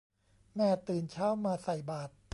แม่ตื่นเช้ามาใส่บาตร